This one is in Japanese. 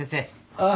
ああ。